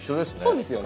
そうですよね。